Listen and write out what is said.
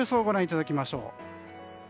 ご覧いただきましょう。